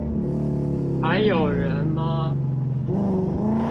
還有人嗎？